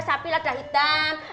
sapi lada hitam